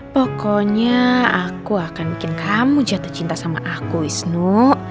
pokoknya aku akan bikin kamu jatuh cinta sama aku isnu